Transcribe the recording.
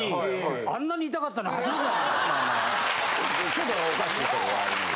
ちょっとおかしいとこがある。